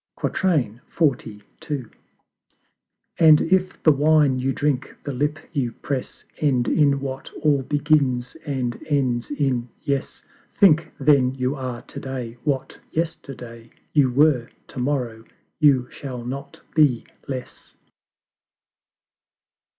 XLII. And if the Wine you drink, the Lip you press, End in what All begins and ends in Yes; Think then you are TO DAY what YESTERDAY You were TO MORROW you shall not be less.